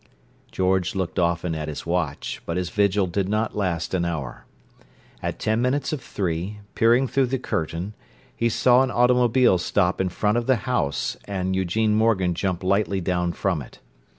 George looked often at his watch, but his vigil did not last an hour. At ten minutes of three, peering through the curtain, he saw an automobile stop in front of the house and Eugene Morgan jump lightly down from it.